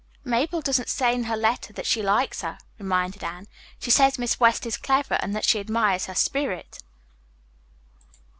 "Mabel doesn't say in her letter that she likes her," reminded Anne. "She says Miss West is clever and that she admires her spirit."